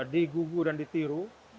diguguh dan ditiru